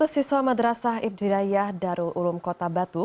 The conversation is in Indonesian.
dua ratus siswa madrasah ibtidaiyah darul ulum kota batu